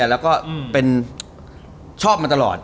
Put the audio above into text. แล้วก็เป็นชอบมาตลอด